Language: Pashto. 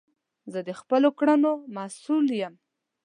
زه د خپلو کړونو مسول یی